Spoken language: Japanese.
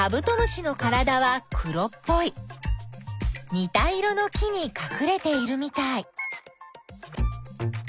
にた色の木にかくれているみたい。